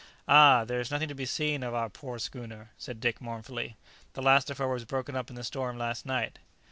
"Ah! there is nothing to be seen of our poor schooner!" said Dick mournfully; "the last of her was broken up in the storm last night."